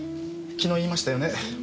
昨日言いましたよね？